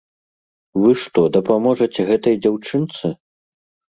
Вы што, дапаможаце гэтай дзяўчынцы?